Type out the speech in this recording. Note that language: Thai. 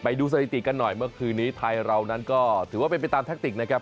สถิติกันหน่อยเมื่อคืนนี้ไทยเรานั้นก็ถือว่าเป็นไปตามแทคติกนะครับ